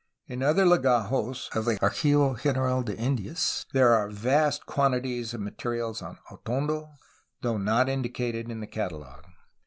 In other tegajos of the Archivo Gen eral de Indias there are vast quanti ties of materials on Atondo, though not indicated in the Catalogue.